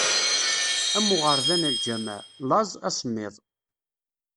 Am uɣerda n lǧameɛ: laẓ, asemmiḍ.